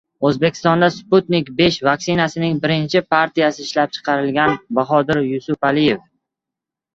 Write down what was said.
O‘zbekistonda "Sputnik V" vaksinasining birinchi partiyasi ishlab chiqarilgan — Bahodir Yusupaliyev